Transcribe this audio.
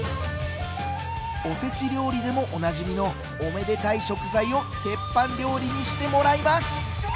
おせち料理でもおなじみのおめでたい食材をテッパン料理にしてもらいます！